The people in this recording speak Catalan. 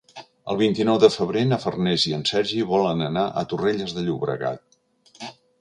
El vint-i-nou de febrer na Farners i en Sergi volen anar a Torrelles de Llobregat.